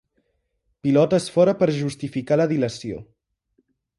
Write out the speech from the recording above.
Pilotes fora per justificar la dilació.